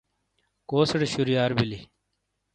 کوسیڑے شُریار بِیلی؟